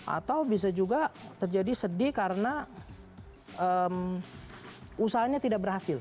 atau bisa juga terjadi sedih karena usahanya tidak berhasil